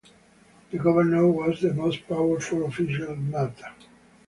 The Governor was the most powerful official in Malta.